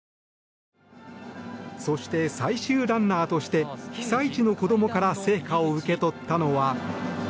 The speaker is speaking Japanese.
そして、最終ランナーとして被災地の子どもから聖火を受け取ったのは。